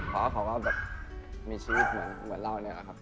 เพราะเขาก็มีชีวิตเหมือนเรา